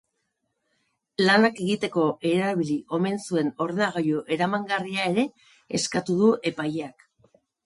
Lanak egiteko erabili omen zuen ordenagailu eramangarria ere eskatu du epaileak.